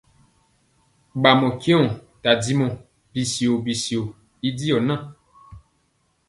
Bamɔ tyeoŋg tadimɔ bityio bityio y diɔ na.